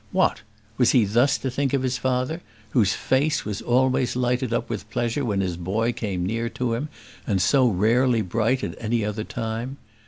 What! was he thus to think of his father, whose face was always lighted up with pleasure when his boy came near to him, and so rarely bright at any other time?